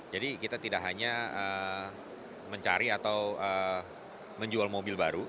jadi kita tidak hanya mencari atau menjual mobil baru